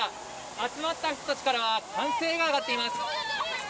集まった人たちからは歓声が上がっています。